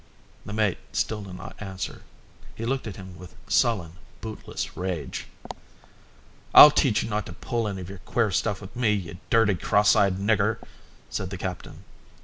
The mate still did not answer. He looked at him with sullen, bootless rage. "I'll teach you not to pull any of your queer stuff with me, you dirty, cross eyed nigger," said the captain.